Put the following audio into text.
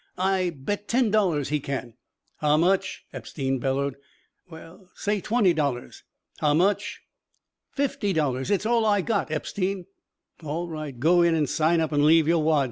"I bet ten dollars he can." "How much?" Epstein bellowed. "Well say twenty dollars." "How much?" "Fifty dollars. It's all I got, Epstein." "All right go in and sign up and leave your wad.